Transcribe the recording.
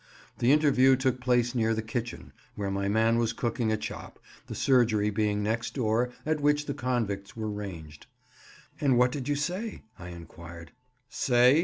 The interview took place near the kitchen, where my man was cooking a chop, the surgery being next door, at which the convicts were ranged. "And what did you say?" I enquired. "Say!"